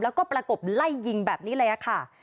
แล้วก็ประกบไล่ยิงแบบนี้เลยค่ะ